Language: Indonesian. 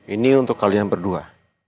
ini untuk kalian berdua